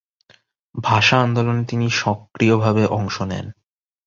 ভাষা আন্দোলনে তিনি সক্রিয়ভাবে অংশ নেন।